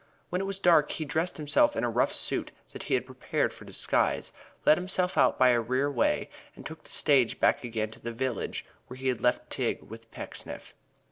When it was dark he dressed himself in a rough suit that he had prepared for disguise, let himself out by a rear way and took the stage back again to the village where he had left Tigg with Pecksniff.